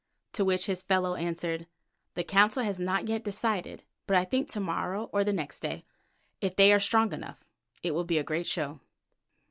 to which his fellow answered, "The Council has not yet decided, but I think to morrow or the next day, if they are strong enough. It will be a great show."